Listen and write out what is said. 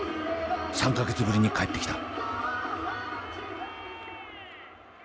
３か月ぶりに帰ってきた。